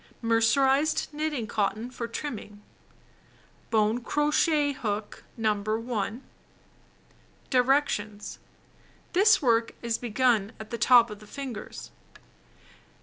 Mercerized knitting cot ton for trimming. Bone crochet needle No. 1. Directions: This work is begun at the top of the fingers.